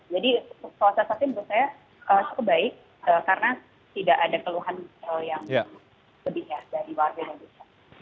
jadi suasana suasana ini menurut saya cukup baik karena tidak ada keluhan yang lebih dari warga indonesia